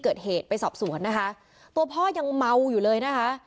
เกิดเหตุไปสอบสวนนะคะตัวพ่อยังเมาอยู่เลยนะคะ